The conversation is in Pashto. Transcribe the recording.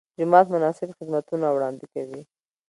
جومات مناسب خدمتونه وړاندې کړي.